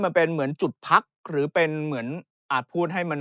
มันเป็นเหมือนจุดพักหรือเป็นเหมือนอาจพูดให้มัน